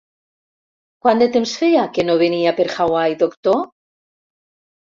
Quant de temps feia que no venia per Hawaii, doctor?